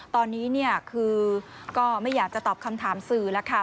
ตอนนี้เนี่ยคือก็ไม่อยากจะตอบคำถามสื่อแล้วค่ะ